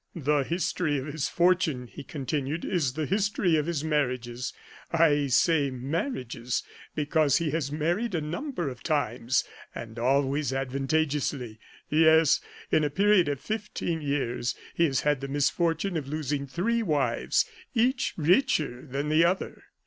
"The history of his fortune," he continued, "is the history of his marriages I say marriages, because he has married a number of times, and always advantageously. Yes, in a period of fifteen years he has had the misfortune of losing three wives, each richer than the other.